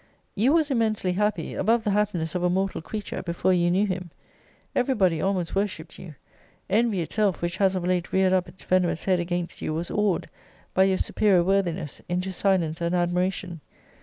You was immensely happy, above the happiness of a mortal creature, before you knew him: every body almost worshipped you: envy itself, which has of late reared up its venomous head against you, was awed, by your superior worthiness, into silence and admiration.